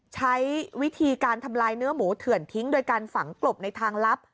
ใช้วิธีการทำลายเนื้อหมูเถื่อนทิ้งโดยการฝังกลบในทางลับ